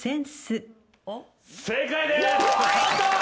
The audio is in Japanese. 正解です！